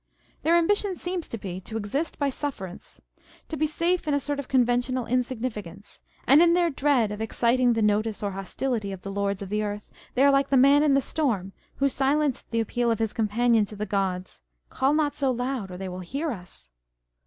Their ambition seems to be to exist by sufferance ; to be safe in a sort of con ventional insignificance ; and in their dread of exciting the notice or hostility of the lords of the earth, they are like the man in the storm who silenced the appeal of his companion to the gods â€" " Call not so loud, or they will hear us